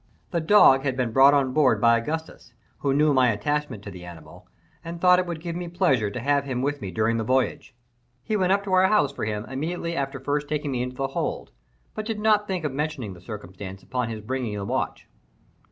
The dog had been brought on board by Augustus, who knew my attachment to the animal, and thought it would give me pleasure to have him with me during the voyage. He went up to our house for him immediately after first taking me into the hold, but did not think of mentioning the circumstance upon his bringing the watch.